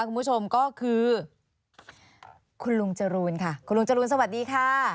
คุณผู้ชมก็คือคุณลุงจรูนค่ะคุณลุงจรูนสวัสดีค่ะ